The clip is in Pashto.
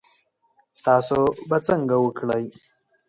تاسو به څنګه وکړی؟